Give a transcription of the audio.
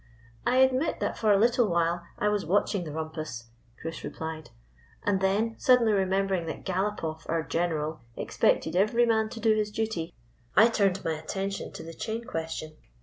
" I admit that for a little while I was watch ing the rumpus," Chris replied; "and then, suddenly remembering that Galopoff, our gene ral, expected every man to do his duty, I turned my attention to the chain question.